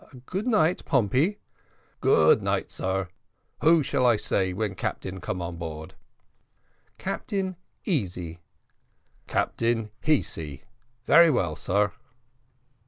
"Good night, Pompey." "Good night, sar. Who I say call when captain come on board?" "Captain Easy." "Captain He see, very well, sar."